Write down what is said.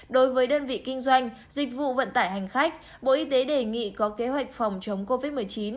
đối với đơn vị kinh doanh dịch vụ vận tải hành khách bộ y tế đề nghị có kế hoạch phòng chống covid một mươi chín